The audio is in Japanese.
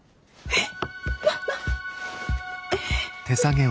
えっ。